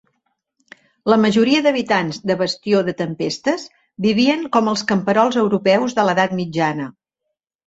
La majoria d"habitants de Bastió de Tempestes vivien com els camperols europeus de l"Edat Mitjana.